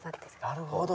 なるほど。